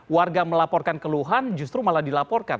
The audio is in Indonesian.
karena warga melaporkan keluhan justru malah dilaporkan